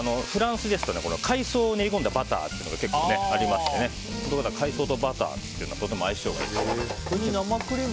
フランスですと海藻を練り込んだバターというのが結構ありまして海藻とバターというのはとても相性がいるんです。